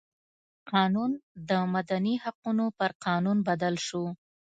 قانون د مدني حقونو پر قانون بدل شو.